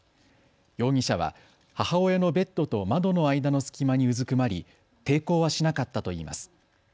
容疑者は母親のベッドと窓の間の隙間にうずくまり抵抗はしなかったといいます。